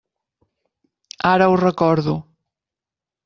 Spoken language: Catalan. Ara ho recordo.